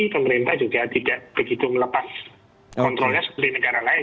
pemerintah juga tidak begitu melepas kontrolnya seperti negara lain